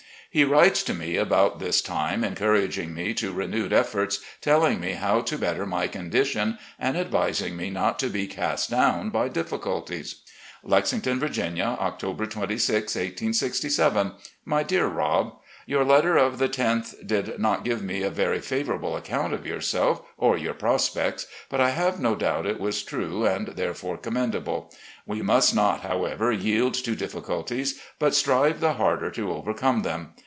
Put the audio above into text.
He writes to me about this time, encouraging me to renewed efforts, telling me how to better my condition, and advising me not to be cast down by difficulties: "Lexington, Virginia, October 26, 1867. " My Dear Rob: Yotn letter of the loth did not give me a very favourable account of yourself or your pros pects, but I have no doubt it was true and therefore com mendable. We must not, however, yield to difficulties, but strive the harder to overcome them.